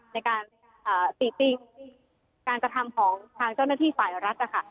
ในการติติงการกระทำของทางเจ้าหน้าที่ฝ่ายรัฐนะคะ